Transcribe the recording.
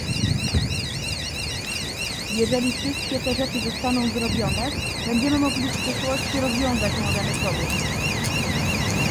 Jeżeli wszystkie te rzeczy zostaną zrobione, będziemy mogli w przyszłości rozwiązać omawiany problem